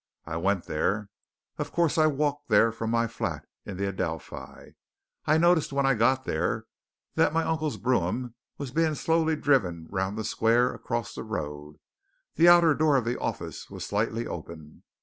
I went there, of course I walked there from my flat in the Adelphi. I noticed when I got there that my uncle's brougham was being slowly driven round the square across the road. The outer door of the office was slightly open.